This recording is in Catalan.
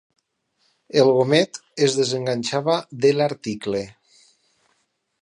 El gomet es desenganxava de l'article.